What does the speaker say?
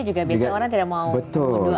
juga biasanya orang tidak mau